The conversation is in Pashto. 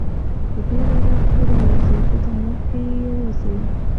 په بېړه ور پورې ووځي، په دماغ کې یې یوازې.